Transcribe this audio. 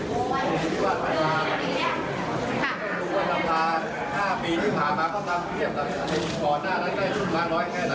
โอ้โฮนี่คือว่าฝ่ายการเมือง